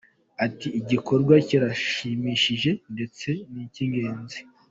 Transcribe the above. Ati “Igikorwa kirashimishije ndetse ni ingenzi.